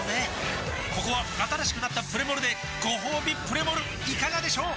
ここは新しくなったプレモルでごほうびプレモルいかがでしょう？